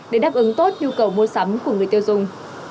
để đáp ứng tốt nhu cầu mua sắm của người tiêu dùng